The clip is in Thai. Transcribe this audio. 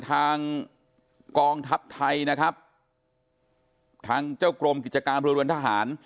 ทางกองทัพไทยนะครับทางเจ้ากรมกิจการบริเวณทหาร